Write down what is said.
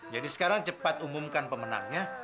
jadi sekarang cepat umumkan pemenangnya